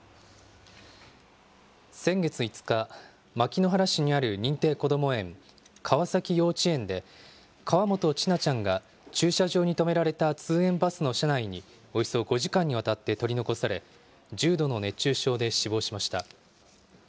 先月５日、牧之原市にある認定こども園、川崎幼稚園で、河本千奈ちゃんが、駐車場に止められた通園バスの車内におよそ５時間にわたって取り残され、重度の熱中症で死亡しました。